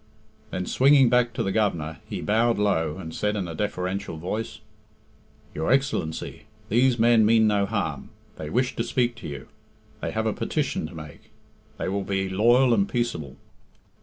Then, swinging back to the Governor, he bowed low, and said in a deferential voice "Your Excellency, these men mean no harm; they wish to speak to you; they have a petition to make; they will be loyal and peaceable."